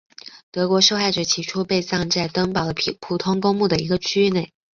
德国受害者起初被葬在登堡的普通公墓的一个区域内。